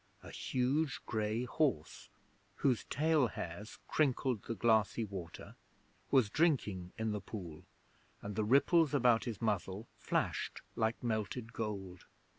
A huge grey horse, whose tail hairs crinkled the glassy water, was drinking in the pool, and the ripples about his muzzle flashed like melted gold.